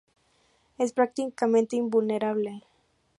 Es prácticamente invulnerable.